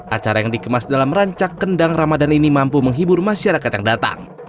acara yang dikemas dalam rancak kendang ramadan ini mampu menghibur masyarakat yang datang